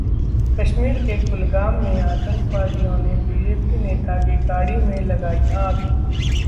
कश्मीर के कुलगाम में आतंकियों ने बीजेपी नेता की गाड़ी में लगाई आग